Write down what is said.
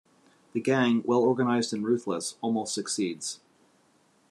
The gang, well-organized and ruthless, almost succeeds.